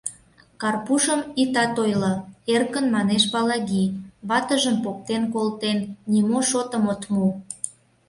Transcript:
— Карпушым итат ойло, — эркын манеш Палаги, — ватыжым поктен колтен, нимо шотым от му.